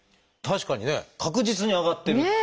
確かにね確実に上がってる。